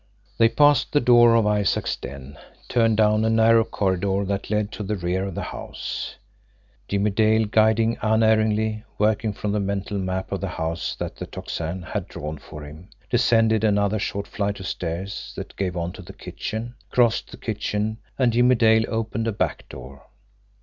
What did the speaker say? They passed the door of Isaac's den, turned down a narrow corridor that led to the rear of the house Jimmie Dale guiding unerringly, working from the mental map of the house that the Tocsin had drawn for him descended another short flight of stairs that gave on the kitchen, crossed the kitchen, and Jimmie Dale opened a back door.